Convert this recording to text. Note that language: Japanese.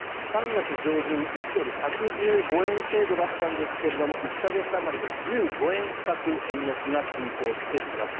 ３月上旬、１ドル＝１１５円程度だったんですが１か月あまりで１５円近く円高が進行しています。